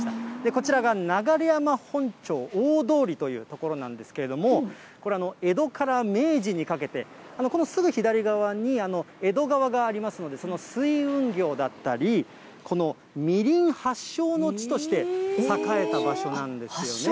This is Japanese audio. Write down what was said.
こちらが流山本町大通りという所なんですけれども、これ、江戸から明治にかけて、このすぐ左側に、江戸川がありますので、その水運業だったり、このみりん発祥の地として、栄えた場所なんですよね。